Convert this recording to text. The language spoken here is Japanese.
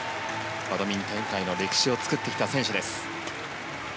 バドミントン界の歴史を作ってきた選手です。